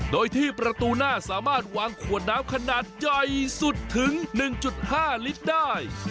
โดยที่ประตูหน้าสามารถวางขวดน้ำขนาดใหญ่สุดถึง๑๕ลิตรได้